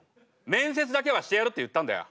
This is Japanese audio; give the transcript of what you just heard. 面接だけはしてやるって言ったんだよ。